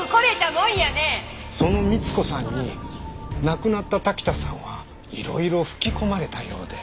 その光子さんに亡くなった滝田さんはいろいろ吹き込まれたようで。